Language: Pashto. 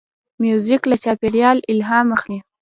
موزیک له چاپېریال الهام اخلي.